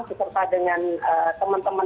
seserta dengan teman teman